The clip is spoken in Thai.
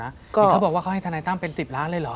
เขาบอกว่าเขาให้ธนายตั้มเป็น๑๐ล้านเลยเหรอ